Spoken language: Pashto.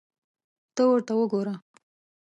ته ورته وګوره !